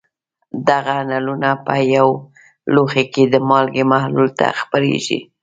دغه نلونه په یو لوښي کې د مالګې محلول ته خپرېږي.